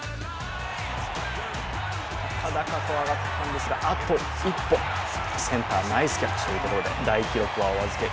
高々と上がったんですがあと一歩、センター、ナイスキャッチというところで大記録はお預け。